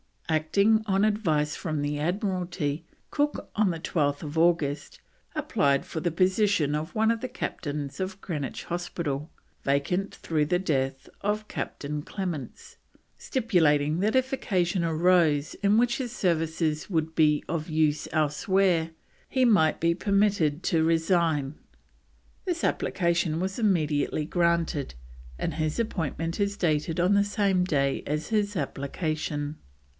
Acting on advice from the Admiralty, Cook, on 12th August, applied for the position of one of the Captains of Greenwich Hospital, vacant through the death of Captain Clements, stipulating that if occasion arose in which his services would be of use elsewhere, he might be permitted to resign. This application was immediately granted, and his appointment is dated on the same day as his application.